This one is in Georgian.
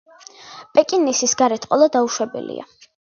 პეკინესის გარეთ ყოლა დაუშვებელია.